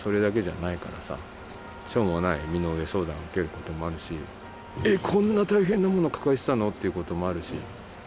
しょうもない身の上相談を受けることもあるしえっこんな大変なもの抱えてたの？っていうこともあるし。